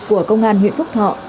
của công an huyện phúc thọ